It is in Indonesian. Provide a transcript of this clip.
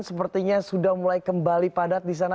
sepertinya sudah mulai kembali padat di sana